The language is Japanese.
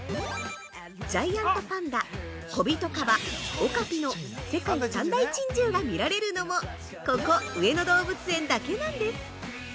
ジャイアントパンダコビトカバ、オカピの世界三大珍獣が見られるのもここ、上野動物園だけなんです！